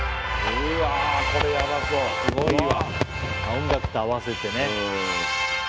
音楽と合わせてね。